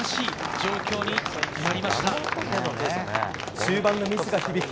終盤のミスが響き